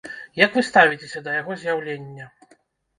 Як вы ставіцеся да яго з'яўлення?